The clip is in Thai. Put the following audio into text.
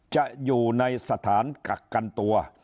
จะอยู่ในสถานกักกันตัว